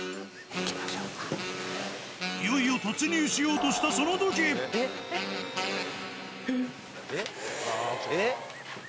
いよいよ突入しようとしたそえっ？